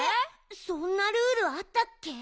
そんなルールあったっけ？